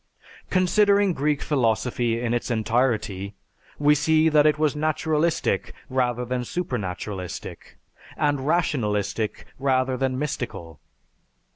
Considering Greek philosophy in its entirety, we see that it was naturalistic rather than supernaturalistic, and rationalistic rather than mystical.